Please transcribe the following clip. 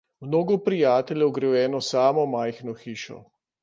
Mnogo prijateljev gre v eno samo majhno hišo.